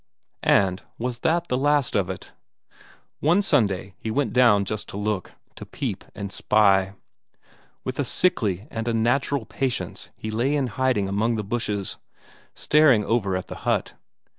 And was that the last of it? One Sunday he went down just to look; to peep and spy. With a sickly and unnatural patience he lay in hiding among the bushes, staring over at the hut.